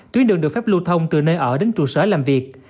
tuyến đường được phép lưu thông từ nơi ở đến trụ sở làm việc